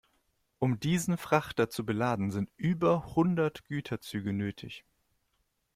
Um diesen Frachter zu beladen, sind über hundert Güterzüge nötig.